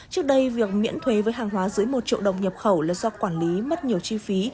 trước đây việc miễn thuế với hàng hóa dưới một triệu đồng nhập khẩu là do quản lý mất nhiều chi phí